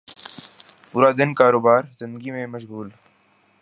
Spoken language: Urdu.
پورا دن کاروبار زندگی میں مشغول